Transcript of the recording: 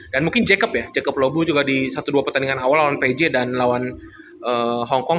dan mungkin jacob ya jacob lobu juga di satu dua pertandingan awal lawan pj dan lawan hongkong